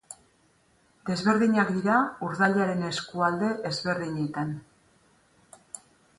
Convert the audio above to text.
Desberdinak dira urdailaren eskualde ezberdinetan.